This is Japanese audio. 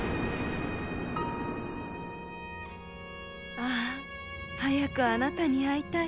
「ああ早くあなたに会いたい。